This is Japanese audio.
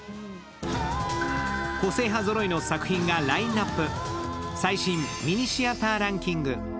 個性派揃いの作品がラインナップ。